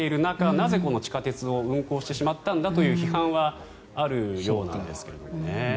なぜ、この地下鉄を運行してしまったんだという批判はあるようなんですけどね。